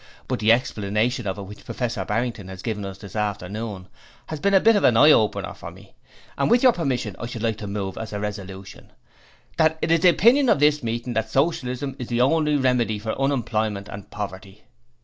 But the explanation of it which Professor Barrington has given us this afternoon has been a bit of an eye opener for me, and with your permission I should like to move as a resolution, "That it is the opinion of this meeting that Socialism is the only remedy for Unemployment and Poverty."'